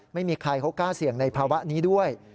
ไม่มีใครเขากล้าเสี่ยงในภาวะนี้ด้วย